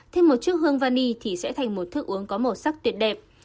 thêm một chiếc hương vani thì sẽ thành một thức uống có màu sắc tuyệt đẹp